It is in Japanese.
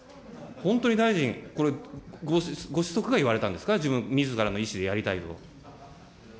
本当に大臣、これ、ご子息が言われたんですか、自分、みずからの意思でやりたいと。